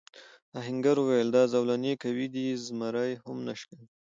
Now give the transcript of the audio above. آهنګر وویل دا زولنې قوي دي زمری هم نه شکوي.